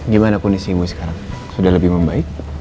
gimana pun isimu sekarang sudah lebih membaik